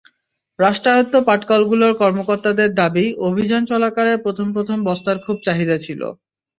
রাষ্ট্রায়ত্ত পাটকলগুলোর কর্মকর্তাদের দাবি, অভিযান চলাকালে প্রথম প্রথম বস্তার খুব চাহিদা ছিল।